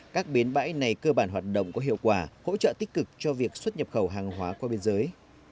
các bến bãi này cơ bản hoạt động có hiệu quả hỗ trợ tích cực cho việc xuất nhập khẩu hàng hóa qua biên giới